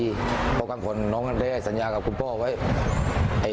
เพราะกลางคนน้องได้สัญญากับคุณพ่อไว้